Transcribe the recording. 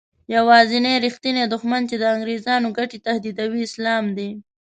یوازینی رښتینی دښمن چې د انګریزانو ګټې تهدیدوي اسلام دی.